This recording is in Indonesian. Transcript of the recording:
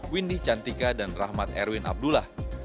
windy cantika dan rahmat erwin abdullah